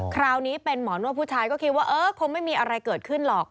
คราวนี้เป็นหมอนวดผู้ชายก็คิดว่าเออคงไม่มีอะไรเกิดขึ้นหรอก